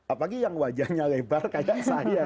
apalagi yang wajahnya lebar kayak saya